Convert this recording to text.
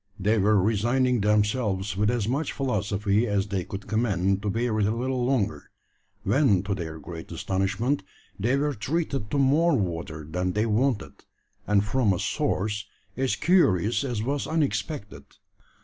They were resigning themselves with as much philosophy as they could command to bear it a little longer, when to their great astonishment they were treated to more water than they wanted, and from a source as curious as was unexpected.